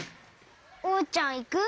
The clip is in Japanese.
おうちゃんいく？